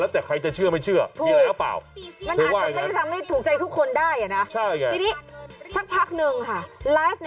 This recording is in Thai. ถือว่าเป็นอาชีพของเธอ